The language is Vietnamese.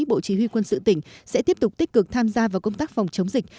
bộ chỉ huy quân sự tỉnh sẽ tiếp tục tích cực tham gia vào công tác phòng chống dịch